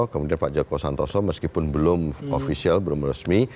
kemudian pak joko santoso meskipun belum ofisial belum resmi